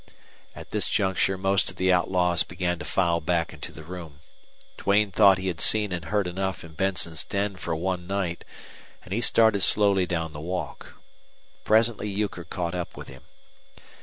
At this juncture most of the outlaws began to file back into the room. Duane thought he had seen and heard enough in Benson's den for one night and he started slowly down the walk. Presently Euchre caught up with him.